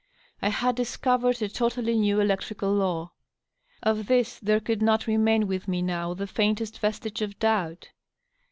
I had discovered a totally new electrical law. Of this there could not remain with me, now, the faintest vestige of doubt.